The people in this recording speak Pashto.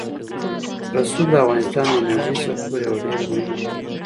رسوب د افغانستان د انرژۍ سکتور یوه ډېره مهمه برخه ده.